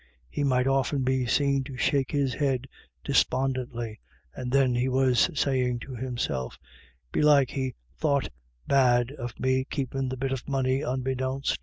He might often be seen to shake his head despondently, and then he was saying to himself :" Belike he thought bad of me keepin' the bit of money unbeknownst."